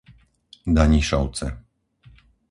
Danišovce